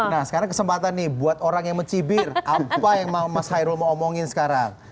nah sekarang kesempatan nih buat orang yang mencibir apa yang mas hairul mau omongin sekarang